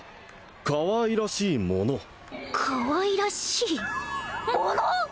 かわいらしい物かわいらしい物！？